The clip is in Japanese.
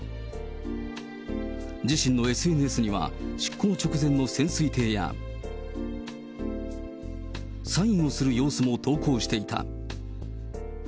自身のＳＮＳには、出航直前の潜水艇や、サインをする様子も投稿していた。